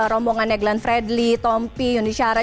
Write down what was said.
rombongan neglan fredly tompi yuni syara